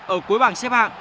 ở cuối bảng xếp hạng